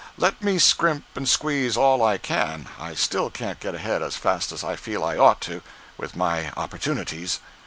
Let me scrimp and squeeze all I can, I still can't get ahead as fast as I feel I ought to, with my opportunities.